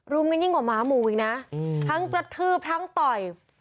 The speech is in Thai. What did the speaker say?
รุมกันยิ่งกว่าหมาหมู่อีกนะทั้งกระทืบทั้งต่อย